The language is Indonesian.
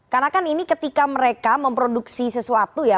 karena kan ini ketika mereka memproduksi sesuatu ya